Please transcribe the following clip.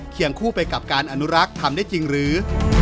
คู่ไปกับการอนุรักษ์ทำได้จริงหรือ